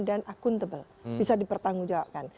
dan akuntabel bisa dipertanggungjawabkan